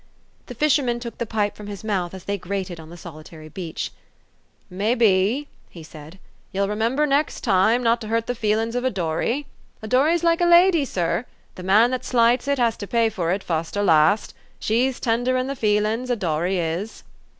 The fisherman took the pipe from his mouth as they grated on the solitary beach. " Mebbe," he said, " ye'll remember next time not to hurt the feelins of a dory. A dory's like a lady, sir. The man that slights it has to pay for it fust or last. She's tender in the feelins, a dory is."